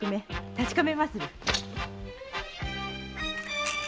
確かめまする。